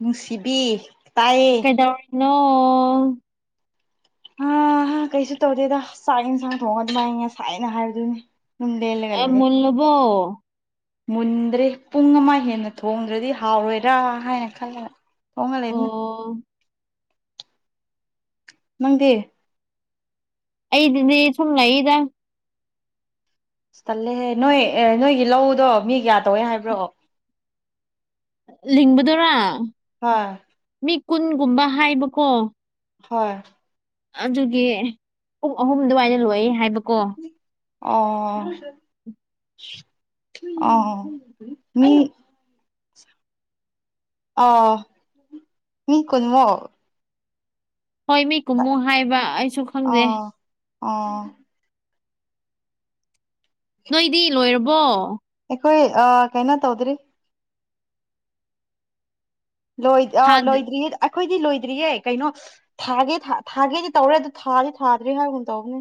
ꯅꯨꯡꯁꯤꯕꯤ ꯇꯥꯏꯌꯦ ꯀꯩꯗꯧꯔꯤꯅꯣ ꯑ ꯀꯩꯁꯨ ꯇꯧꯗꯦꯗ ꯆꯥꯛ ꯌꯦꯟꯁꯥꯡ ꯊꯣꯡꯉ ꯑꯗꯨꯃꯥꯏ ꯉ ꯁꯥꯏꯅ ꯍꯥꯏꯕꯗꯨꯅꯦ ꯂꯦꯟꯂꯒ ꯑꯥ ꯂꯩꯌꯦ ꯃꯨꯜꯂꯕꯣ ꯃꯨꯟꯗ꯭ꯔꯦ ꯄꯨꯡ ꯑꯃ ꯍꯦꯟꯅ ꯊꯣꯡꯗ꯭ꯔꯗꯤ ꯍꯥꯎꯔꯣꯏꯔꯥ ꯍꯥꯏꯅ ꯈꯜꯂ ꯊꯣꯡꯍꯜꯂꯦ ꯑꯗꯨꯅ ꯑꯣ ꯅꯪꯗꯤ ꯑꯩꯗꯨꯗꯤ ꯁꯨꯝ ꯂꯩꯔꯤꯗ ꯇꯜꯂꯦꯍꯦ ꯅꯣꯏ ꯅꯣꯏꯒꯤ ꯂꯧꯗꯣ ꯃꯤ ꯀꯌꯥ ꯇꯧꯋꯦ ꯍꯥꯏꯕ꯭ꯔꯣ ꯂꯤꯡꯕꯗꯣꯔꯥ ꯍꯣꯏ ꯃꯤ ꯀꯨꯟꯒꯨꯝꯕ ꯍꯥꯏꯕꯀꯣ ꯍꯣꯏ ꯑꯗꯨꯒꯤ ꯄꯨꯡ ꯑꯍꯨꯝ ꯑꯗꯨꯋꯥꯏꯗ ꯂꯣꯏ ꯍꯥꯏꯕꯀꯣ ꯑ ꯑ ꯃꯤ ꯑ ꯃꯤ ꯀꯨꯟꯃꯨꯛ ꯍꯣꯏ ꯃꯤ ꯀꯨꯝꯃꯨ ꯍꯥꯏꯌꯦꯕ ꯑꯩꯁꯨ ꯈꯪꯗꯦ ꯑꯥ ꯅꯣꯏꯗꯤ ꯂꯣꯏꯔꯕꯣ ꯑꯩꯈꯣꯏ ꯑ ꯀꯩꯅꯣ ꯇꯧꯗ‍‍꯭ꯔꯤ ꯂꯣꯏ ꯑ ꯊꯥꯗ ꯂꯣꯏꯗ꯭ꯔꯤꯌꯦ ꯑꯩꯈꯣꯏꯗꯤ ꯂꯣꯏꯗ꯭ꯔꯤꯌꯦ ꯀꯩꯅꯣ ꯊꯥꯒꯦ ꯊꯥ ꯊꯥꯒꯦꯗꯤ ꯇꯧꯔꯦ ꯑꯗꯨ ꯊꯥꯗꯤ ꯊꯥꯗ꯭ꯔꯦ ꯍꯥꯏꯕꯒꯨꯝ ꯇꯧꯕꯅꯦ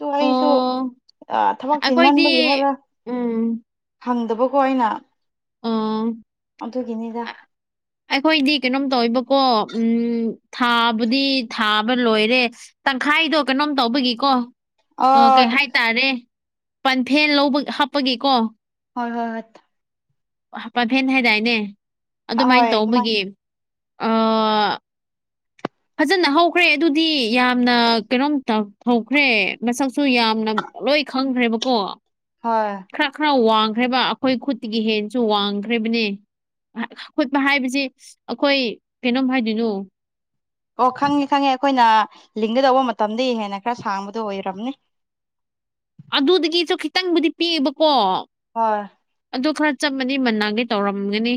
ꯗꯨ ꯑꯩꯁꯨ ꯑꯣ ꯑ ꯊꯕꯛ ꯑꯩꯈꯣꯏꯗꯤ ꯆꯤꯟꯃꯟꯕꯒꯤ ꯍꯥꯏꯕ꯭ꯔꯥ ꯎꯝ ꯍꯪꯗꯕꯀꯣ ꯑꯩꯅ ꯎ ꯑꯗꯨꯒꯤꯅꯤꯗ ꯑꯩꯈꯣꯏꯗꯤ ꯀꯩꯅꯣꯝ ꯇꯧꯋ‌ꯦꯕꯀꯣ ꯎꯝ ꯊꯥꯕꯨꯗꯤ ꯊꯥꯕ ꯂꯣꯏꯔꯦ ꯇꯪꯈꯥꯏꯗꯣ ꯀꯩꯅꯣꯝ ꯇꯧꯕꯒꯤꯀꯣ ꯑ ꯀꯩ ꯍꯥꯏꯇꯥꯔꯦ ꯄꯥꯟꯊꯦꯜ ꯂꯧꯕ ꯍꯥꯞꯄꯒ‌ꫯꯀꯣ ꯍꯣꯏ ꯍꯣꯏ ꯍꯠ ꯍꯥ ꯄꯥꯝꯐꯦꯟ ꯍꯥꯏꯗꯥꯏꯅꯦ ꯍꯣꯏ ꯑꯗꯨꯃꯥꯏꯅ ꯑꯗꯨꯃꯥꯏ ꯇꯧꯕꯒꯤ ꯑꯥ ꯐꯖꯅ ꯍꯧꯈ꯭ꯔꯦ ꯑꯗꯨꯗꯤ ꯌꯥꯝꯅ ꯀꯩꯅꯣꯝ ꯇꯧ ꯍꯧꯈ꯭ꯔꯦ ꯃꯁꯛꯁꯨ ꯌꯥꯝꯅ ꯂꯣꯏ ꯈꯪꯈ꯭ꯔꯦꯕꯀꯣ ꯍꯣꯏ ꯈꯔ ꯈꯔ ꯋꯥꯡꯈ꯭ꯔꯦꯕ ꯑꯩꯈꯣꯏ ꯈꯨꯠꯇꯤꯒꯤ ꯍꯦꯟꯁꯨ ꯋꯥꯡꯈ꯭ꯔ‌ꯦꯕꯅꯦ ꯑ ꯍꯨꯠꯄ ꯍꯥꯏꯕꯁꯤ ꯑꯩꯈꯣꯏ ꯀꯩꯅꯣꯝ ꯍꯥꯏꯗꯣꯏꯅꯣ ꯑꯣ ꯈꯪꯉꯦ ꯈꯪꯉꯦ ꯑꯩꯈꯣꯏꯅ ꯂꯤꯡꯒ ꯗꯧꯕ ꯃꯇꯝꯗꯩ ꯍꯦꯟꯅ ꯈꯔ ꯁꯥꯡꯕꯗꯣ ꯑꯣꯏꯔꯝꯅꯤ ꯑꯗꯨꯗꯒꯤꯁꯨ ꯈꯤꯇꯪꯕꯨꯗꯤ ‌ꯄꯤꯛꯑꯦꯕꯀꯣ ꯍꯣꯏ ꯑꯗꯨ ꯈꯔ ꯆꯞ ꯃꯅꯤ ꯃꯅꯥꯒ‌ꯦ ꯇꯧꯔꯝꯒꯅꯤ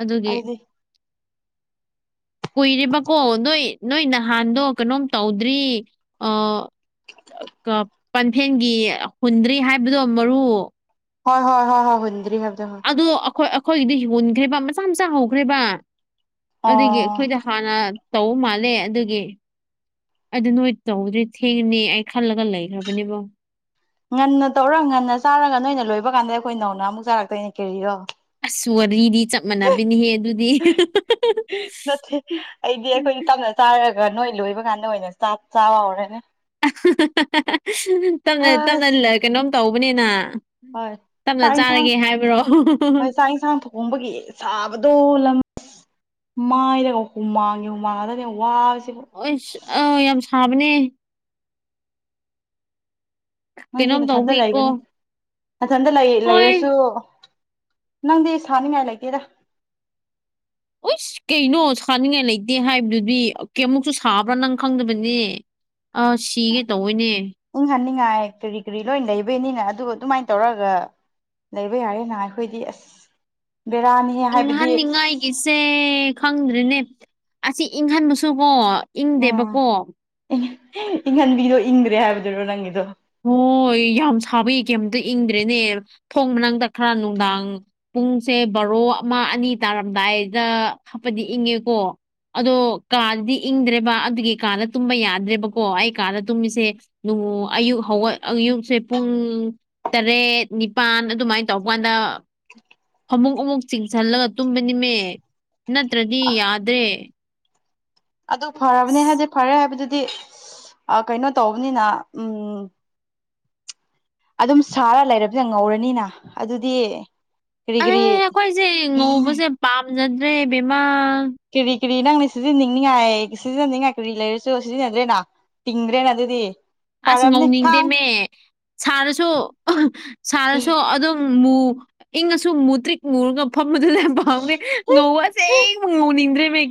ꯑꯗꯨꯒꯤ [inaudible] ꯀꯨꯏꯔ‌ꯦꯕꯀꯣ ꯅꯣꯏ ꯅꯣꯏ ꯅꯍꯥꯟꯗꯣ ꯀꯥꯅꯣꯝ ꯇꯧꯗ꯭ꯔꯤ ꯑ [unintelligible] ꯀꯞ ꯄꯟꯐꯦꯟꯒꯤ ꯍꯨꯟꯗ꯭ꯔꯤ ꯍꯥꯏꯕꯗꯣ ꯃꯔꯨ ꯍꯥ ꯍꯥ ꯍꯥ ꯍꯥꯍꯨꯟꯗ꯭ꯔꯤ ꯍꯥꯏꯕꯗꯣ ꯍꯣꯏ ꯑꯗꯨ ꯑꯩꯈꯣꯏ ꯑꯩꯈꯣꯏꯒꯤꯗꯤ ꯍꯨꯟꯈ꯭ꯔꯤꯕ ꯃꯆꯥ ꯃꯆꯥ ꯍꯧꯈ꯭ꯔꯦꯕ ꯑꯗꯨꯒꯤ ꯑꯣ ꯑꯩꯈꯣꯏꯗ ꯍꯥꯟꯅ ꯇꯧ ꯃꯥꯜꯂꯦ ꯑꯗꯨꯒꯤ ꯑꯗꯨ ꯅꯣꯏ ꯇꯧꯕꯗꯤ ꯊꯦꯡꯉꯅꯤ ꯑꯩ ꯈꯜꯂꯒ ꯂꯩꯈ꯭ꯔꯕꯅꯦꯕꯣ ꯉꯟꯅ ꯇꯧꯔ ꯉꯟꯅ ꯆꯥꯔꯒ ꯅꯣꯏꯅ ꯂꯣꯏꯕ ꯀꯥꯟꯗ ꯑꯩꯈꯣꯏ ꯅꯧꯅ ꯑꯃꯨꯛ ꯆꯥꯔꯛꯇꯣꯏꯅꯦ ꯀꯦꯔꯤꯔꯣ ꯑꯁ ꯋꯥꯔꯤꯗꯤ ꯆꯞ ꯃꯥꯟꯅꯕꯤꯅꯤꯍꯦ ꯑꯗꯨꯗꯤ ꯆꯥꯔꯛꯒ ꯅꯣꯏ ꯂꯣꯏꯕ ꯀꯥꯟꯗ ꯑꯣꯏꯅ ꯆꯥꯛ ꯆꯥꯥꯎꯔꯅꯤ ꯇꯞꯅ ꯇꯞꯅꯥ ꯑꯁ ꯂ ꯀꯩꯅꯣꯝ ꯇꯧꯕꯅꯤꯅ ꯍꯣꯏ ꯇꯞꯅ ꯆꯥꯛ ꯏꯟꯁꯥꯡ ꯆꯥꯔꯒꯦ ꯍꯥꯏꯕ꯭ꯔꯣ ꯍꯣꯏ ꯆꯥꯛ ꯏꯟꯁꯥꯡ ꯊꯣꯡ ꯑ‌‌ꯣꯝꯕꯒꯤ ꯁꯥꯕꯗꯣ ꯂꯪ ꯃꯥꯏꯗꯒ ꯍꯨꯃꯥꯡꯉꯤ ꯍꯨꯃꯥꯡꯉꯥꯛꯇꯅ‌ꯦ ꯋꯥꯕꯁꯤꯕꯨ ꯑꯨꯏꯁ ꯑ ꯌꯥꯝ ꯁꯥꯕꯅꯦ ꯅꯪꯗꯤ ꯀꯩꯅꯣꯝ ꯅꯊꯟꯇ ꯇꯧꯕꯒꯤꯀꯣ ꯂꯩꯕꯅꯤ ꯃꯊꯟꯗ ꯂꯩ ꯍꯣꯏ ꯂꯩꯔꯁꯨ ꯅꯪꯗꯤ ꯁꯥꯅꯤꯡꯉꯥꯏ ꯂꯩꯇꯦꯗ ꯍꯁ ꯀꯩꯅꯣ ꯁꯥꯅꯤꯡꯉꯥꯏ ꯂꯩꯇꯦ ꯍꯥꯏꯕꯗꯨꯗꯤ ꯀꯥꯌꯥꯃꯨꯛꯁꯨ ꯁꯥꯕ꯭ꯔꯥ ꯅꯪ ꯈꯪꯗꯕꯅꯦ꯫ ꯑꯥ ꯁꯤꯒ‌ꯦ ꯇꯧꯋ‌ꯦꯅꯦ꯫ ꯏꯪꯍꯟꯅꯤꯡꯉꯥꯏ ꯀꯔꯤ ꯀꯔꯤ ꯂꯣꯏ ꯂꯩꯕꯩꯅꯤꯅ ꯑꯗꯨ ꯑꯗꯨꯃꯥꯏꯅ ꯇꯧꯔꯒ ꯂꯩꯕ ꯌꯥꯔꯦꯅ ꯑꯩꯈꯣꯏꯗꯤ ꯑꯁ ꯕꯦꯔꯥꯅꯤ꯫ ꯏꯪꯍꯟꯅꯤꯡꯉꯥꯏꯒꯤꯁꯦ ꯈꯪꯗ꯭ꯔꯦꯅꯦ ꯑꯁꯤ ꯏꯪꯍꯟꯕꯁꯨꯀꯣ ꯎꯝ ꯏꯪꯗꯦꯕꯀꯣ ꯏꯪꯍꯟꯕꯤꯗꯣ ꯏꯪꯗ꯭ꯔꯦ ꯍꯥꯏꯕꯗꯨꯔꯣ ꯅꯪꯒꯤꯗꯣ꯫ ꯍꯣꯏ ꯌꯥꯝ ꯁꯥꯕꯒꯤ ꯀꯩꯝꯇ ꯏꯪꯗ꯭ꯔꯦꯅꯦ ꯊꯣꯡ ꯃꯅꯥꯛꯗ ꯈꯔ ꯅꯨꯡꯗꯥꯡ ꯄꯨꯡꯁꯦ ꯕꯥꯔꯣ ꯑꯃ ꯑꯅꯤ ꯇꯥꯔꯝꯗꯥꯏꯗ ꯍꯥꯞꯄꯗꯤ ꯏꯪꯉꯦꯀꯣ꯫ ꯑꯗꯣ ꯀꯥꯗꯗꯤ ꯏꯪꯗ꯭ꯔꯦꯕ ꯑꯗꯨꯒꯤ ꯀꯥꯗ ꯇꯨꯝꯕ ꯌꯥꯗ꯭ꯔꯦꯕꯀꯣ ꯑꯩ ꯀꯥꯗ ꯇꯨꯝꯃꯤꯁꯦ ꯅꯣ ꯑꯌꯨꯛ ꯍꯧꯒꯠ ꯑꯌꯨꯛꯁꯦ ꯄꯨꯡ ꯇꯔꯦꯠ ꯅꯤꯄꯥꯟ ꯑꯗꯨꯃꯥꯏꯅ ꯇꯧꯕ ꯀꯥꯟꯗ ꯐꯃꯨꯡ ꯑꯃꯨꯛ ꯆꯤꯡꯁꯤꯜꯂꯒ ꯇꯨꯝꯕꯅꯤꯃꯦ ꯅꯠꯇ꯭ꯔꯗꯤ ꯌꯥꯗ꯭ꯔꯦ꯫ ꯑꯗꯨ ꯐꯔꯕꯅꯦ ꯍꯥꯏꯗꯤ ꯐꯔꯦ ꯍꯥꯏꯕꯗꯨꯗꯤ ꯀꯩꯅꯣ ꯇꯧꯕꯅꯤꯅ ꯎꯝ, ꯑꯗꯨꯝ ꯁꯥꯔ ꯂꯩꯔꯕꯅꯤꯅ ꯉꯧꯔꯅꯤꯅ ꯑꯗꯨꯗꯤ, ꯀꯔꯤ ꯑꯦ ꯀꯔꯤ ꯑꯩꯈꯣꯏꯁꯦ ꯉꯧꯕꯁꯦ ꯄꯥꯝꯖꯗ꯭ꯔꯦ ꯕꯦꯝꯃꯥ꯫ ꯀꯔꯤ ꯀꯔꯤ ꯅꯪꯅ ꯁꯤꯖꯤꯟꯅꯤꯡꯅꯤꯉꯥꯏ ꯁꯤꯖꯤꯟꯅꯤꯡꯉꯥꯏ ꯀꯔꯤ ꯂꯩꯔꯁꯨ ꯁꯤꯖꯤꯟꯅꯗ꯭ꯔꯦꯅ꯫ ꯇꯤꯡꯗ꯭ꯔꯦꯅ ꯑꯗꯨꯗꯤ꯫ ꯑꯁ ꯐꯔꯕꯅꯤ ꯊꯥꯡ ꯉꯧꯅꯤꯡꯗꯦꯃꯦ ꯁꯥꯔꯁꯨ ꯁꯥꯔꯁꯨ ꯑꯗꯨꯝ ꯃꯨ ꯏꯪꯉꯥꯁꯨ ꯃꯨꯇ꯭ꯔꯤꯛ ꯃꯨꯔꯒꯥ ꯐꯝꯕꯗꯨꯅ ꯌꯥꯝ ꯄꯥꯝꯃꯦ ꯍꯣꯏ ꯉꯧꯕ ꯑꯁꯦꯡꯕ ꯉꯧꯅꯤꯡꯗ꯭ꯔꯦꯃꯦ꯫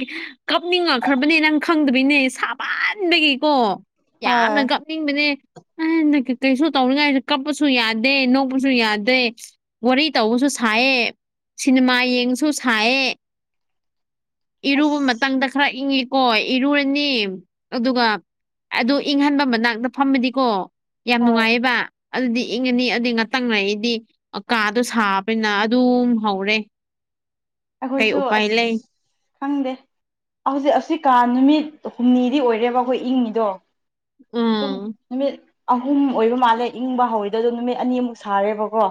ꯀꯞꯅꯤꯡꯉꯛꯈ꯭ꯔꯕꯅꯦ ꯅꯪ ꯈꯪꯗꯕꯩꯅꯦ ꯁꯥꯃꯟꯕꯒꯤꯀꯣ ꯌꯥꯝꯅ ꯀꯞ ꯀꯅꯤꯡꯕꯅꯦ ꯀꯩꯁꯨ ꯇꯧꯅꯤꯡꯉꯥꯏꯁꯨ ꯀꯞꯄꯁꯨ ꯌꯥꯗꯦ ꯅꯣꯛꯄꯁꯨ ꯌꯥꯗꯦ꯫ ꯋꯥꯔꯤ ꯇꯧꯕꯁꯨ ꯁꯥꯏꯌꯦ ꯁꯤꯅꯦꯃꯥ ꯌꯦꯡꯕꯁꯨ ꯁꯥꯏꯌꯦ꯫ ꯏꯔꯨꯕ ꯑꯁ ꯃꯇꯝꯗ ꯈꯔ ꯏꯪꯉꯤ꯫ ꯀꯣ ꯏꯔꯨꯔꯅꯤ ꯑꯗꯨꯒ ꯑꯗꯨ ꯏꯪꯍꯟꯕ ꯃꯅꯥꯛꯇ ꯐꯝꯃꯗꯤꯀꯣ ꯌꯥꯝ ꯍꯣꯏ ꯅꯨꯡꯉꯥꯏꯌꯦꯕ꯫ ꯑꯗꯨꯗꯤ ꯏꯪꯉꯅꯤ ꯑꯗꯨ ꯉꯥꯛꯇꯪ ꯂꯩꯔꯗꯤ ꯀꯥꯗꯣ ꯁꯥꯕꯅꯤꯅ ꯑꯗꯨꯝ ꯍꯧꯔꯦ꯫ ꯀꯩ ꯑꯩꯈꯣꯏꯁꯨ ꯎꯄꯥꯏ ꯑꯁ ꯂꯩ ꯈꯪꯗꯦ ꯍꯧꯖꯤꯛ ꯑꯁꯤ ꯀꯥꯟ ꯅꯨꯃꯤꯠ ꯍꯨꯝꯅꯤꯗꯤ ꯑꯣꯏꯔꯦꯕ ꯑꯩꯈꯣꯏ ꯏꯪꯉꯤꯗꯣ꯫ ꯇꯨꯝ ꯎꯝ ꯅꯨꯝꯃꯤꯠ ꯑꯍꯨꯝ ꯑꯣꯏꯕ ꯃꯥꯜꯂꯦ ꯏꯪꯕ ꯍꯧꯔꯤꯗꯣ ꯅꯨꯃꯤꯠ ꯑꯅꯤꯃꯨꯛ ꯁꯥꯔꯦꯕꯀꯣ꯫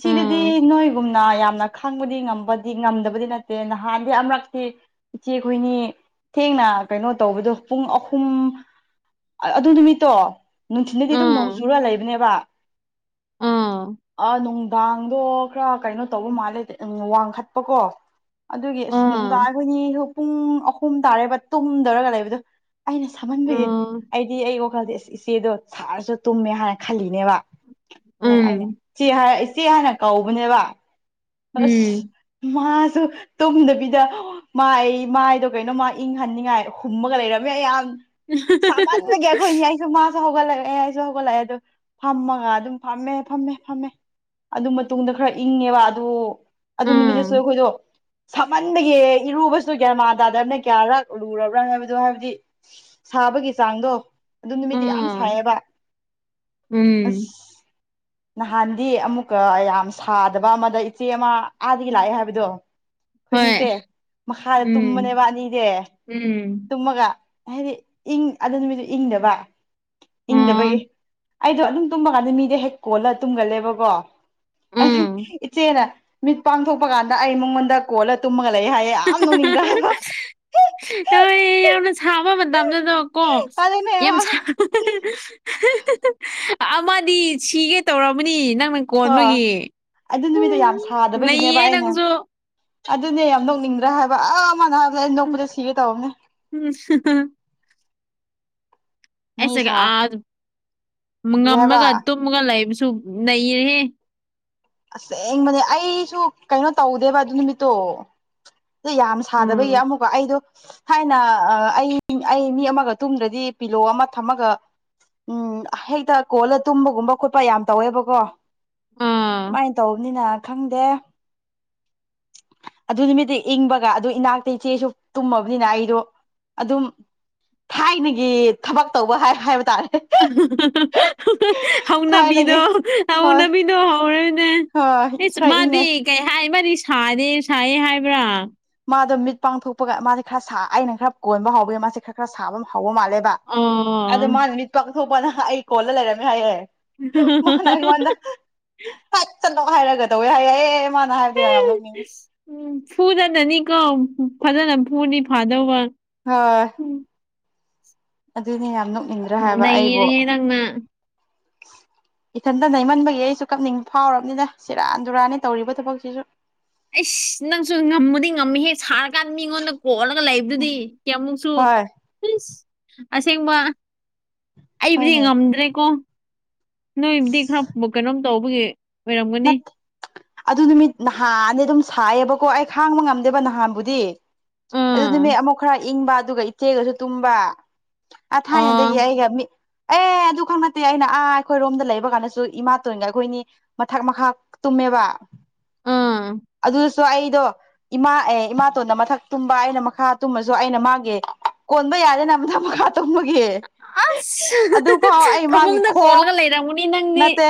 ꯁꯤꯗꯗꯤ ꯎꯝ ꯅꯣꯏꯒꯨꯝꯅ ꯌꯥꯝꯅ ꯈꯥꯡꯕꯗꯤ ꯉꯝ ꯗꯤ ꯉꯝꯗꯕꯗꯤ ꯅꯠꯇꯦ ꯅꯍꯥꯟꯗꯤ ꯑꯃꯔꯛꯇꯤ ꯏꯆꯦ ꯑꯩꯈꯣꯏꯅꯤ ꯊꯦꯡꯅ ꯀꯩꯅꯣ ꯇꯧꯕꯗꯣ ꯄꯨꯡ ꯑꯍꯨꯝ, ꯑꯗꯨ ꯅꯨꯃꯤꯠꯇꯣ ꯅꯨꯡꯊꯤꯟꯗꯗꯤ ꯑꯗꯨꯝ ꯅꯣꯡ ꯎꯝ ꯆꯨꯔ ꯂꯩꯕꯅꯦꯕ ꯎꯝ ꯑ ꯅꯨꯡꯗꯥꯡꯗꯣ ꯈꯔ ꯀꯩꯅꯣ ꯇꯧꯕ ꯃꯥꯜꯂꯦ ꯋꯥꯡꯈꯠꯄꯀꯣ, ꯑꯗꯨꯒꯤ ꯑꯁ ꯅꯨꯡꯗꯥꯡ ꯎꯝ ꯑꯩꯈꯣꯏꯅꯤ ꯄꯨꯡ ꯑꯍꯨꯝ ꯇꯥꯔꯦꯕ ꯇꯨꯝꯗꯔꯒ ꯂꯩꯕꯗꯣ꯫ ꯑꯩꯅ ꯁꯃꯟꯕꯒꯤ ꯎꯝ ꯑꯩꯗꯤ ꯑꯩ ꯋꯥꯈꯜꯗꯤ ꯏꯆꯦꯗꯣ ꯁꯥꯔꯁꯨ ꯇꯨꯝꯃꯦ ꯍꯥꯏꯅ ꯈꯜꯂꯤꯅꯦꯕꯗ ꯑꯩꯅ ꯎꯝ ꯏꯦ ꯏꯆꯦ ꯍꯥꯟꯅ ꯀꯧꯕꯅꯦꯕ ꯑꯁ ꯎꯝ ꯃꯥꯁꯨ ꯇꯨꯝꯗꯕꯤꯗ ꯃꯥꯏ ꯃꯥꯏꯗꯣ ꯀꯩꯅꯣ ꯃꯥ ꯏꯪꯍꯟꯅꯤꯡꯉꯥꯏ ꯍꯨꯝꯃꯒ ꯂꯩꯔꯝꯃꯦ ꯌꯥꯝ ꯁꯃꯟꯕꯒꯤ꯫ ꯃꯥꯁꯨ ꯍꯧꯒꯠꯂꯛꯑꯦ ꯑꯩꯁꯨ ꯍꯧꯒꯠꯂꯛꯑꯦ ꯑꯗꯨ ꯐꯝꯃꯒ ꯑꯗꯨꯝ ꯐꯝꯃꯦ ꯐꯝꯃꯦ ꯐꯝꯃꯦ꯫ ꯑꯗꯨ ꯃꯇꯨꯡꯗ ꯈꯔ ꯏꯪꯉꯦꯕ ꯑꯗꯨ ꯑꯗꯨ ꯅꯨꯃꯤꯠꯇꯁꯨ ꯎꯝ ꯑꯩꯈꯣꯏꯗꯣ ꯁꯥꯃꯟꯕꯒꯦ ꯏꯔꯨꯕꯁꯨ ꯒ꯭ꯌꯥꯟ ꯃꯥꯟ ꯇꯥꯗꯕꯅꯦ ꯀꯌꯥꯔꯛ ꯂꯨꯔꯕ꯭ꯔꯥ ꯍꯥꯏꯕꯗꯣ ꯍꯥꯏꯕꯗꯤ ꯁꯥꯕꯒꯤ ꯆꯥꯡꯗꯣ ꯑꯗꯨ ꯅꯨꯃꯤꯠꯇꯤ ꯌꯥꯝ ꯎꯝ ꯁꯥꯏꯌꯦꯕ ꯎꯝ ꯑꯁ꯫ ꯅꯍꯥꯟꯗꯤ ꯑꯃꯨꯛꯀ ꯑꯌꯥꯝ ꯁꯥꯗꯕ ꯑꯃꯗ ꯆꯦ ꯑꯃ ꯑꯥꯗꯒꯤ ꯂꯥꯛꯑꯦ ꯍꯥꯏꯕꯗꯣ꯫ ꯈꯣꯏꯅꯤꯁꯦ ꯍꯣꯏ ꯃꯈꯥꯗ ꯎꯝ ꯇꯨꯝꯕꯅꯦꯕ ꯑꯅꯤꯖꯦ꯫ ꯎꯝ ꯇꯨꯝꯃꯒ ꯍꯥꯏꯗꯤ ꯏꯪ ꯑꯗꯨ ꯅꯨꯃꯤꯗꯨ ꯏꯪꯗꯕ ꯏꯪꯗꯕꯒꯤ ꯑꯣ ꯑꯩꯗꯣ ꯑꯗꯨꯝ ꯇꯨꯝꯕ ꯀꯥꯟꯗ ꯃꯤꯗ ꯍꯦꯛ ꯀꯣꯜꯂ ꯇꯨꯝꯒꯜꯂꯦꯕꯀꯣ ꯎꯝ ꯑꯩꯗꯤ ꯃꯤꯠ ꯄꯥꯡꯊꯣꯛꯄ ꯀꯥꯟꯗ ꯑꯩ ꯃꯉꯣꯟꯗ ꯀꯣꯜꯂ ꯇꯨꯝꯃꯒ ꯂꯩ ꯍꯥꯏꯌꯦ ꯌꯥꯝ ꯅꯨꯡꯅꯤꯡꯗ꯭ꯔꯥꯕ꯫ ꯀꯧ ꯌꯥꯝꯅ ꯁꯥꯕ ꯃꯇꯝꯗꯨꯗꯣ ꯀꯣ ꯑꯗꯨꯅꯦ ꯌꯥꯝ ꯍꯣꯏ ꯁꯥ ꯑꯃꯗꯤ ꯁꯤꯒꯦ ꯇꯧꯔꯝꯑꯅꯤ ꯅꯪꯅ ꯍꯣꯏ ꯀꯣꯟꯕꯒꯤ ꯑꯗꯨ ꯅꯨꯃꯤꯠꯇꯣ ꯌꯥꯝ ꯁꯥꯗꯕꯒꯤꯅꯦꯕ ꯅꯩꯌꯦ ꯑꯩꯅ ꯅꯪꯁꯨ ꯑꯗꯨꯅꯦ ꯌꯥꯝ ꯅꯣꯛꯅꯤꯡꯗ꯭ꯔꯦ ꯍꯥꯏꯕ ꯑ ꯑꯃꯅ ꯅꯣꯛꯄꯗ ꯁꯤꯒꯦ ꯇꯧꯕꯅꯦ꯫ ꯃꯤ ꯑꯩꯁꯦ ꯁꯥ ꯑꯥ ꯀꯔꯤ ꯍꯥꯏꯕ ꯉꯝꯃꯒ ꯇꯨꯝꯃꯒ ꯂꯩꯕꯁꯨ ꯅꯩꯔꯦꯍꯦ꯫ ꯑꯁꯦꯡꯕꯅꯦ ꯑꯩꯁꯨ ꯀꯩꯅꯣ ꯇꯧꯗꯦꯕ ꯑꯗꯨ ꯅꯨꯃꯤꯠꯇꯣ꯫ ꯗꯨ ꯌꯥꯝ ꯁꯥꯗꯕꯒꯤ ꯎꯝ ꯑꯃꯨꯛꯀ ꯑꯩꯗꯣ ꯊꯥꯏꯅ ꯑꯩ ꯑꯩ ꯃꯤ ꯑꯃꯒ ꯇꯨꯝꯗ꯭ꯔꯗꯤ ꯄꯤꯂꯣ ꯑꯃ ꯊꯝꯃꯒ ꯎꯝ ꯍꯦꯛꯇ ꯀꯣꯜꯂ ꯇꯨꯝꯕꯒꯨꯝꯕ ꯈꯣꯠꯄ ꯌꯥꯝ ꯇꯧꯋꯦꯕꯀꯣ꯫ ꯑꯥ ꯑꯃꯥꯏꯅ ꯇꯧꯕꯅꯤꯅ ꯈꯪꯗꯦ꯫ ꯑꯗꯨ ꯅꯨꯃꯤꯠꯇꯨ ꯏꯪꯕꯒ ꯑꯗꯨ ꯏꯅꯥꯛꯇ ꯏꯆꯦꯁꯨ ꯇꯨꯝꯃꯕꯅꯤꯅ ꯑꯩꯗꯣ ꯑꯗꯨꯝ ꯊꯥꯏꯅꯒꯤ ꯊꯕꯛ ꯇꯧꯕ ꯍꯥꯏꯕ ꯇꯥꯔꯦ꯫ ꯊꯥꯏꯅꯒꯤ ꯍꯧꯅꯕꯤꯗꯣ ꯍꯣꯏ ꯍꯧꯅꯕꯤꯗꯣ ꯍꯧꯔꯦꯅꯦ꯫ ꯍꯣꯏ ꯑꯦꯁ ꯈꯔ ꯏꯪꯉꯦ ꯃꯥꯗꯤ ꯀꯩ ꯍꯥꯏ ꯃꯥꯗꯤ ꯁꯥꯗꯦ ꯁꯥꯏꯌꯦ ꯍꯥꯏꯕ꯭ꯔꯥ꯫ ꯃꯥꯗꯣ ꯃꯤꯠ ꯄꯥꯡꯊꯣꯛꯄꯒ ꯃꯥꯁꯦ ꯈꯔ ꯁꯥ ꯑꯩꯅ ꯈꯔ ꯀꯣꯟꯕ ꯍꯥꯎꯕ ꯃꯥꯁꯦ ꯈꯔ ꯈꯔ ꯁꯥꯕ ꯑꯃ ꯍꯧꯕ ꯃꯥꯜꯂꯦꯕ ꯑꯗꫭ ꯑꯣ ꯃꯥꯅ ꯃꯤꯠ ꯄꯥꯡꯊꯣꯛꯄꯀꯥꯟꯅ ꯑꯩ ꯀꯣꯜꯂ ꯂꯩꯔꯝꯃꯦ ꯍꯥꯏꯌꯦ꯫ ꯃꯥꯅ ꯑꯩꯉꯣꯟꯗ ꯐꯠ ꯆꯠꯂꫭ ꯍꯥꯏꯔꯒꯗꯧꯋꯦ ꯍꯥꯏꯌꯦ ꯑꯦ ꯃꯥꯅ ꯍꯥꯏꯕꯗꯤ ꯌꯥꯝ ꯅꫭꯛꯅꯤꯡ ꯎꯝ ꯐꯨꯗꯅꯅꯤꯀꯣ ꯐꯖꯅ ꯐꯨꯗꯤ ꯐꯥꯗꯧꯕ꯫ [unintelligible] ꯎꯝ ꯑꯗꯨꯅꯦ ꯌꯥꯝ ꯅꯣꯛꯅꯤꯡꯗ꯭ꯔ ꯍꯥꯏꯕ ꯑꯩꯕꯨ꯫ ꯅꯩꯔꯦꯍꯦ ꯅꯪꯅ ꯏꯊꯟꯇ ꯅꯩꯃꯟꯕꯒꯤ ꯑꯩꯁꯨ ꯀꯞꯅꯤꯡꯕ ꯐꯥꯎꯔꯕꯅꯤꯅ ꯁꯤꯔꯥꯟ ꯗꯨꯔꯥꯟꯅꯤ ꯇꯧꯔꯤꯕ ꯊꯕꯛꯁꯤꯁꯨ꯫ ꯑꯩꯁ ꯅꯪꯁꯨ ꯉꯝꯃꯨꯗꯤ ꯉꯝꯃꯤ ꯍꯦ ꯁꯥ ꯀꯥꯟ ꯃꯤꯉꯣꯟꯗ ꯀꯣꯜꯂꯒ ꯎꯝ ꯂꯩꯕꯗꯨꯗꯤ ꯀꯌꯥꯃꯨꯛꯁꯨ꯫ ꯍꯣꯏ ꯄꯁ ꯑꯁꯦꯡꯕ ꯑꯩꯕꯨꯗꯤ ꯍꯣꯏꯅꯦ ꯉꯝꯗ꯭ꯔꯦꯀꯣ꯫ ꯅꯣꯏꯕꯨꯗꯤ ꯈꯔꯕꯨ ꯀꯩꯅꯣꯝ ꯇꯧꯕꯒꯤ ꯑꯣꯏꯔꯝꯒꯅꯤ ꯅꯠ ꯑꯗꯨ ꯅꯨꯃꯤꯠ ꯅꯍꯥꯟꯗꯤ ꯑꯗꯨꯝ ꯁꯥꯏꯌꯦꯕꯀꯣ ꯑꯩ ꯈꯥꯡꯕ ꯉꯝꯗꯦꯕ ꯅꯍꯥꯟꯕꯨꯗꯤ꯫ ꯑꯗꯨ ꯑꯥ ꯅꯨꯃꯤꯠ ꯑꯃꯨꯛ ꯈꯔ ꯏꯪꯕꯥ ꯑꯗꯨꯒ ꯏꯆꯦꯒꯁꯨ ꯇꯨꯝꯕꯥ꯫ ꯑ ꯑꯥ ꯊꯥꯏꯅꯗꯒꯤ ꯑꯩꯒ ꯃꯤꯠ ꯑꯦ ꯑꯗꯨ ꯈꯪ ꯅꯠꯇꯦ ꯑꯩꯅ ꯑꯥ ꯑꯩꯈꯣꯏꯔꯣꯝꯗ ꯂꯩꯕ ꯀꯥꯟꯗꯁꯨ ꯏꯃꯥꯇꯣꯟꯒ ꯑꯩꯈꯣꯏꯅꯤ ꯃꯊꯛ ꯃꯈꯥ ꯇꯨꯝꯃꯦꯕ ꯑꯥ ꯑꯗꯨꯁꯨ ꯑꯩꯗꯣ ꯏꯃꯥ ꯑꯦ ꯏꯃꯥꯇꯣꯟꯅ ꯃꯊꯛ ꯇꯨꯝꯕ ꯑꯩꯅ ꯃꯈꯥ ꯇꯨꯝꯃꯁꯨ ꯑꯩꯅ ꯃꯥꯒꯤ ꯀꯣꯟꯕ ꯌꯥꯗꯦꯅ ꯃꯊꯛ ꯃꯈꯥ ꯇꯨꯝꯕꯒꯤ ꯑꯁ ꯑꯗꯨꯐꯥꯎ ꯑꯩ ꯃꯥꯒꯤ ꯐꯃꯨꯡꯗ ꯈꯣꯡ ꯀꯣꯜꯂꯒ ꯂꯩꯔꯝꯒꯅꯤ ꯅꯪꯗꯤ ꯅꯠꯇꯦ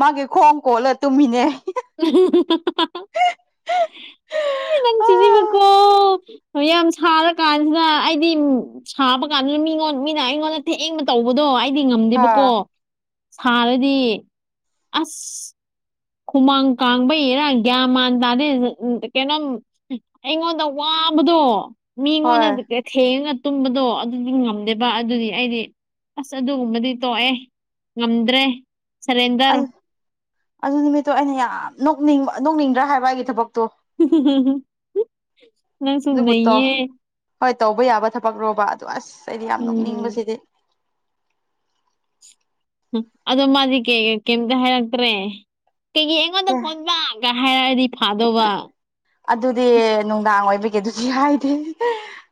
ꯃꯥꯒꯤ ꯈꯣꯡ ꯀꯣꯜꯂ ꯇꯨꯝꯃꯤꯅꯦ꯫ ꯅꯪ ꯑꯥ ꯆꯤꯗꯤꯕꯀꯣ꯫ ꯈꯔ ꯌꯥꯝ ꯁꯥꯔ ꯀꯥꯟꯗꯥ ꯑꯩꯗꯤ ꯁꯥꯕ ꯀꯥꯟꯗꯥ ꯃꯤꯉꫭꯟ ꯃꯤꯅ ꯑꯩꯉꯣꯟꯗ ꯊꯦꯡꯕ ꯇꯧꯕꯗꯣ ꯑꯩꯗꯤ ꯉꯝꯗꯦꯕꯀꯣ ꯁꯥꯔꯗꯤ ꯑꯁ ꯍꯨꯃꯥꯡ ꯀꯥꯡꯕꯩꯔ ꯒꯤꯌꯥꯟ ꯃꯥꯟ ꯇꯥꯗꯦ ꯀꯩꯅꯣꯝ ꯑꯩꯉꯣꯟꯗ ꯋꯥꯕꯗꯣ ꯍꯣꯏ ꯃꯤꯉꯣꯟꯗꯗꯤꯑꯦ ꯊꯦꯡꯉꯥ ꯇꯨꯝꯕꯗꯣ ꯑꯗꯨꯗꯤ ꯉꯝꯗꯦꯕ ꯑꯗꯨꯗꯤ ꯑꯩꯗꯤ ꯑꯁ ꯑꯗꯨꯒꯨꯝꯕꯗꯤ ꯇꯣꯛꯑꯦ ꯉꯝꯗ꯭ꯔꯦ ꯁꯔꯦꯟꯗꯔ ꯑꯗꯨ ꯑꯗꯨ ꯅꯨꯃꯤꯠꯇꯣ ꯑꯩꯅ ꯌꯥꯝ ꯅꯣꯛꯅꯤꯡꯕ ꯅꯣꯛꯅꯤꯡꯗ꯭ꯔꯥ ꯍꯥꯏꯕ ꯑꯩꯒꯤ ꯊꯕꯛꯇꯣ [inaudible] ꯅꯪꯁꯨ ꯑꯗꯨꯕꯨꯇꯣ ꯅꯩꯌꯦ ꯍꯣꯏ ꯇꯧꯕ ꯌꯥꯕ ꯊꯕꯛ ꯔꯣꯕ ꯑꯗꯨ ꯑꯁ ꯑꯩꯗꯤ ꯌꯥꯝ ꯎꯝ ꯅꯣꯛꯅꯤꯡꯕꯁꯤꯗꯤ꯫ ꯍꯨꯝ ꯑꯗꯣ ꯃꯥꯗꯤ ꯀꯩꯒꯩ ꯀꯩꯝꯇ ꯍꯥꯏꯔꯛꯇ꯭ꯔꯦ ꯀꯩꯒꯤ ꯑꯩꯉꯣꯟꯗ ꯀꫭꯟꯕꯥ ꯀꯍꯥꯏꯔꯛꯑꯗꯤ ꯐꯥꯗꯧꯕ ꯑꯗꯨꯗꯤ ꯅꯨꯡꯗꯥꯡ ꯑꯣꯏꯕꯒꯤ ꯑꯗꯨꯗꯤ ꯍꯥꯏꯗꯦ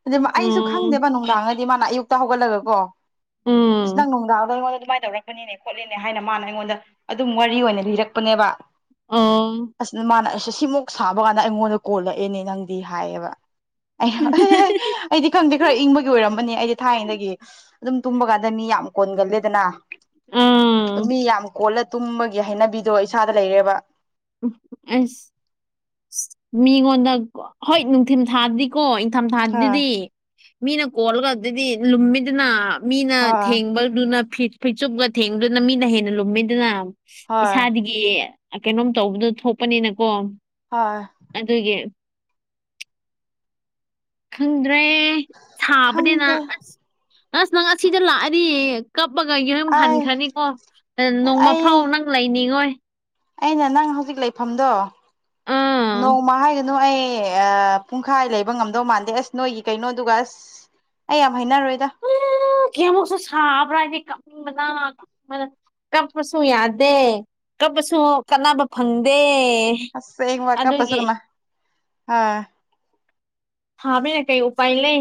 ꯑꯗꯨ ꯃꯥ ꯑꯩꯁꯨ ꯎꯝ ꯈꯪꯗꯦꯕ ꯅꯨꯡ ꯗꯥꯡꯉꯗꯤ ꯃꯥꯅ ꯑꯌꯨꯛꯇ ꯍꯧꯒꯠꯂꯒꯀꯣ ꯑꯁ ꯅꯪ ꯎꯝ ꯅꯨꯡꯗꯥꯡꯗ ꯑꯩꯉꯣꯟꯗ ꯗꯨꯃꯥꯏꯟ ꯇꯧꯔꯦ꯫ ꯄꯅꯤꯅꯦ ꯈꯣꯠꯂꯤꯅꯦ ꯍꯥꯏꯅ ꯃꯥꯅ ꯑꯩꯉꯣꯟꯗ ꯑꯗꯨꯝ ꯋꯥꯔꯤ ꯑꯣꯏꯅ ꯂꯤꯔꯛꯄꯅꯦꯕꯥ ꯑꯣ ꯑꯁ ꯃꯥꯅ ꯑꯁꯩ ꯁꯤꯃꯨꯛ ꯁꯥꯕ ꯀꯥꯟ ꯗ ꯑꯩꯉꯣꯟꯗ ꯀꯣꯜꯂꯛꯑꯦꯅꯦ ꯅꯪꯗꯤ ꯍꯥꯏꯌꯦꯕ ꯑꯩꯅ ꯑꯩꯗꯤ ꯈꯪꯗꯦ ꯈꯔ ꯏꯪꯕꯒꯤ ꯑꯣꯏꯔꯝꯃꯅꯦ ꯑꯩꯗꯤ ꯊꯥꯏꯅꯗꯒꯤ ꯑꯗꯨꯝ ꯇꯨꯝꯕ ꯀꯥꯟꯗ ꯃꯤ ꯌꯥꯝ ꯀꯣꯟꯒꯜꯂꯦꯗꯅ꯫ ꯑꯥ ꯃꯤ ꯌꯥꯝ ꯀꯣꯜꯂ ꯇꯨꯝꯕꯒꯤ ꯍꯩꯅꯕꯤꯗꯣ ꯏꯁꯥꯗ ꯂꯩꯔꯦꯕ꯫ ꯎꯝ ꯑꯁ ꯑꯁ ꯃꯤꯉꯣꯟꯗ ꯍꯣꯏ ꯅꯨꯡꯊꯤꯟ ꯊꯥꯗꯤꯀꯣ ꯏꯪꯊꯝ ꯍꯣꯏ ꯊꯥꯗꯗꯤ ꯃꯤꯅ ꯀꯣꯜꯂꯒꯗꯨꯗꯤ ꯂꯨꯝꯃꯤꯗꯅ ꯃꯤꯅ ꯍꯣꯏ ꯊꯦꯡꯕꯗꯨꯅ ꯐꯤꯠ ꯐꯩꯆꯨꯞꯒ ꯊꯦꯡꯕꯗꯨꯅ ꯃꯤꯅ ꯍꯦꯟꯅ ꯂꯨꯝꯃꯤꯗꯅ ꯍꯣꯏ ꯏꯁꯥꯗꯒꯤ ꯑꯦ ꯑ ꯀꯩꯅꯣꯝ ꯇꯧꯕꯗꯨ ꯊꯣꯛꯄꯅꯤꯅꯀꯣ ꯍꯣꯏ ꯑꯗꯨꯒꯤ ꯈꯪꯗ꯭ꯔꯦ ꯁꯥꯕꯅꯦꯅ ꯈꯪꯗꯦ ꯑꯁ ꯑꯁ ꯅꯪ ꯑꯁꯤꯗ ꯂꯥꯛꯑꯗꯤꯌꯦ ꯀꯞꯄꯒ ꯌꯨꯝ ꯑꯩ ꯍꯟꯈ꯭ꯔꯅꯤꯀꯣ ꯑ ꯑꯩ ꯅꯣꯡꯃꯐꯥꯎ ꯅꯪ ꯂꯩꯅꯤꯡꯉꯣꯏ ꯑꯩꯅ ꯅꯪ ꯍꯧꯖꯤꯛ ꯂꯩꯐꯝꯗꯣ ꯑꯥ ꯅꯣꯡꯃ ꯍꯥꯏ ꯅꯣ ꯑꯩ ꯑ ꯄꯨꯡꯈꯥꯏ ꯂꯩꯕ ꯉꯝꯗꯧ ꯃꯥꯟꯗꯦ ꯑꯁ ꯅꯣꯏꯒꯤ ꯀꯩꯅꯣꯗꯨꯒ ꯑꯁ ꯑꯩ ꯌꯥꯝ ꯍꯩꯅꯔꯣꯏꯗ ꯎꯝ ꯀꯌꯥꯃꯨꯛꯁꯨ ꯁꯥꯕ꯭ꯔꯥ ꯍꯥꯏꯗꯤ ꯀꯞꯅꯤꯡꯕꯅꯥ ꯀꯞ ꯕꯅ ꯀꯞꯄꯁꯨ ꯌꯥꯗꯦ ꯀꯞꯄꯁꯨ ꯀꯥꯟꯅꯕ ꯐꯪꯗꯦ꯫ ꯑꯁ ꯍꯌꯦꯡ ꯋꯥꯏ ꯀꯞꯄꯁꯨ ꯑꯗꯨꯒꯤ ꯀꯅꯥ ꯍꯥ ꯍꯥꯕꯤꯅꯦ ꯀꯩ ꯎꯄꯥꯏ ꯂꯩ꯫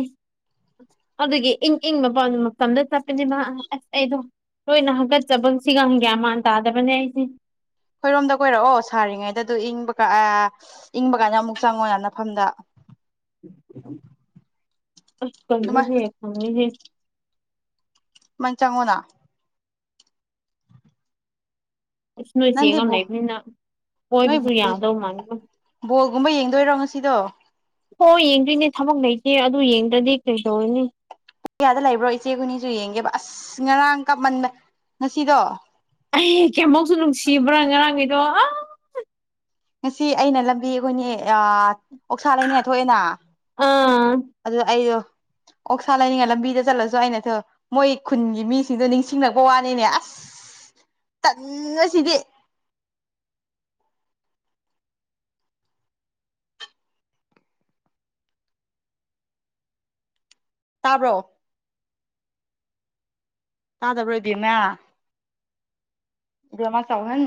ꯑꯗꯨꯒꯤ ꯏꯪ ꯏꯪ ꯃꯄꯥꯟ ꯃꯇꯝꯗ ꯆꯠꯄꯅꯤꯕ ꯑ ꯑꯁ ꯑꯩꯗꯣ ꯇꯣꯏꯅ ꯍꯥꯀꯠꯆꯕ ꯁꯤꯒ ꯒ꯭ꯌꯥꯟ ꯃꯥꯟ ꯇꯥꯗꯕꯅꯦ ꯑꯩꯗꯤ ꯈꯣꯏꯔꯣꯝꯗ ꯀꯣꯏꯔꯛꯑꯣ ꯁꯥꯔꯤꯉꯩꯗ ꯑꯗꯨ ꯏꯪꯕꯀ ꯑꯥ ꯏꯪꯕ ꯀꯥꯟꯗ ꯑꯃꯨꯛ ꯆꯪꯉꯣ ꯅ ꯅꯐꯝꯗ ꯑꯁ ꯑꯗꯨꯃꯥꯏ ꯀꯩꯅꯣꯍꯦ ꯈꯪꯉꯤꯍꯦ ꯃꯥꯟ ꯆꯪꯉꯨꯅꯥ ꯑꯁ ꯅꯣꯏ ꯆꯦꯒ ꯅꯪꯗꯤꯕꯨ ꯂꯩꯕꯅꯤꯅ ꯅꯣꯏ ꯀꯣꯏꯕꯁꯨ ꯌꯥꯗꯧ ꯃꯥꯥꯟꯗꯦ ꯕꯣꯜꯒꯨꯝꯕ ꯌꯦꯡꯗꯣꯏꯔꯣ ꯉꯁꯤꯗꯣ ꯍꯣꯏ ꯌꯦꯡꯗꯣꯏꯅꯦ ꯊꯕꯛ ꯂꯩꯇꯦ ꯑꯗꯨ ꯌꯦꯡꯗ꯭ꯔꯗꯤ ꯀꯩꯗꯧꯔꯨꯅꯤ꯫ ꯀꯌꯥꯗ ꯂꯩꯕ꯭ꯔꯣ ꯏꯆꯦ ꯈꯣꯏꯅꯤꯁꯨ ꯌꯦꯡꯒꯦꯕ ꯑꯁ ꯉꯔꯥꯡ ꯀꯞꯃꯟꯕ ꯉꯁꯤꯗꯣ ꯑꯩ ꯀꯌꯥꯃꯨꯛꯁꯨ ꯅꯨꯡꯁꯤꯕ꯭ꯔꯥ ꯉꯔꯥꯡꯒꯤꯗꯣ ꯑꯥ ꯉꯁꯤ ꯑꯩꯅ ꯂꯝꯕꯤ ꯈꯣꯏꯅꯤ ꯑꯥ ꯑꯣꯛꯁꯥ ꯂꯩꯅꯦ ꯊꯣꯛꯑꯦꯅ ꯑꯥ ꯑꯗꯨ ꯑꯩꯗꯣ ꯑꯣꯛꯁꯥ ꯂꯩꯅꯤꯡꯉꯥꯏ ꯂꯝꯕꯤꯗ ꯆꯠꯂꯁꯨ ꯑꯩꯅ [unintelligible] ꯃꯣꯏ ꯈꯨꯟꯒꯤ ꯃꯤꯁꯤꯡꯗꯣ ꯅꯤꯡꯁꯤꯡꯂꯛꯄ ꯋꯥꯅꯤꯅꯦ ꯑꯁ ꯇꯟꯉꯁꯤꯗꯤ ꯇꯥꯕ꯭ꯔꯣ ꯇꯥꯗꯕ꯭ꯔ ꯏꯕꯦꯃꯥ ꯏꯕꯦꯝꯃꯥ ꯆꯥꯎꯍꯟ